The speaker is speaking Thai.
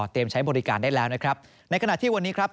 ใช้บริการได้แล้วนะครับในขณะที่วันนี้ครับ